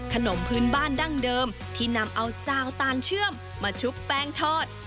ขนมพื้นบ้านดั้งเดิมที่นำเอาเจ้าตานเชื่อมมาชุบแป้งทอด